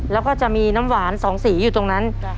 แล้วก็จะมีน้ำหวาน๒สีอยู่ตรงนั้น